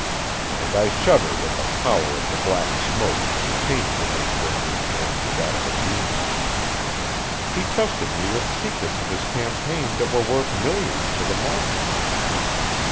And I shuddered at the power of the Black Smoke to change the nature of this man to that of a demon. He trusted me with secrets of his campaign that were worth millions to the market.